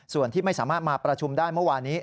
ส่วนที่ไม่สามารถมาประชุมได้เมื่อวานี้